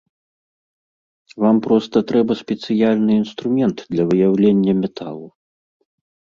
Вам проста трэба спецыяльны інструмент для выяўлення металу.